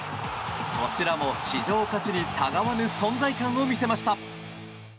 こちらも市場価値にたがわぬ存在感を見せました。